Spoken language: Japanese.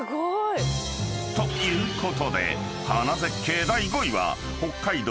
［ということで花絶景第５位は北海道